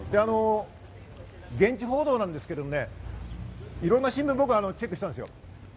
現地報道なんですけど、いろんな新聞、僕チェックしました。